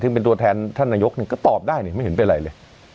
ถึงเป็นตัวแทนท่านนายกเนี้ยก็ตอบได้เนี้ยไม่เห็นเป็นไรเลย